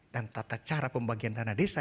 dan tata cara pembagian dana desa